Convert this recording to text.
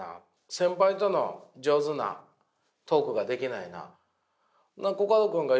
先輩との上手なトークができないな。